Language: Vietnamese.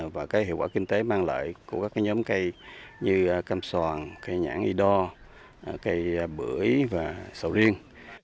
và cái hiệu quả kinh tế mang lại của các nhóm cây như cam soàn cây nhãn y đo cây bưởi và sầu riêng